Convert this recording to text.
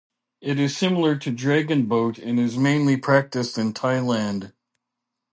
It is similar to dragon boat and is mainly practiced in Thailand.